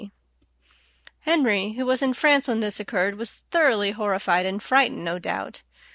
Henry, who was in France when this occurred, was thoroughly horrified and frightened, no doubt.